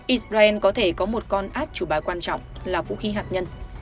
israel có thể có một con át chủ bài quan trọng là vũ khí hạt nhân